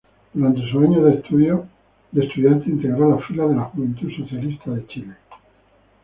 Durante sus años de estudiante integró las filas de la Juventud Socialista de Chile.